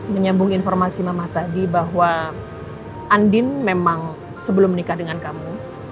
menyambung informasi mama tadi bahwa andin memang sebelum menikah dengan kamu